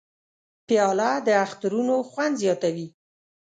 پیاله د اخترونو خوند زیاتوي.